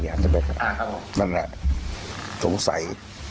เยาว์